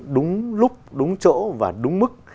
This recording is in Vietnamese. đúng lúc đúng chỗ và đúng mức